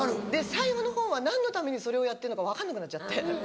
最後の方は何のためにそれをやってるのか分かんなくなっちゃって。